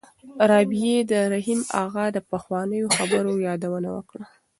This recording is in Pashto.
رابعې د رحیم اغا د پخوانیو خبرو یادونه وکړه.